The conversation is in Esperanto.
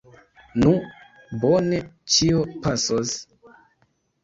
Nu, bone, ĉio pasos!